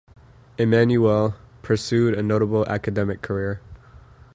Emmanuel pursued a notable academic career.